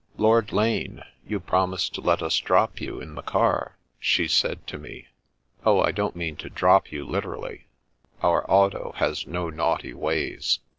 " Lord Lane, you promised to let us drop you, in the car," she said to me. "Oh, I don't mean to *drop you' literally. Our auto has no naughty ways.